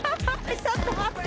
ちょっと待って。